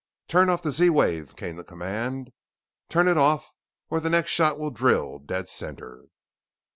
"Turn off the Z wave!" came the command. "Turn it off or the next shot will drill dead center."